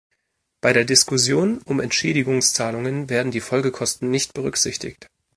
Bei der Diskussion um Entschädigungszahlungen werden die Folgekosten nicht berücksichtigt.